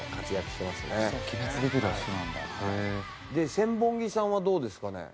千本木さんはどうですかね？